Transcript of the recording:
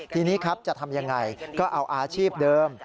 ทีนี้ครับจะทำยังไงก็เอาอาชีพเดิม